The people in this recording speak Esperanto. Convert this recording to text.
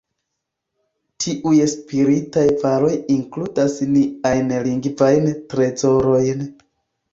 Tiuj spiritaj varoj inkludas niajn lingvajn trezorojn.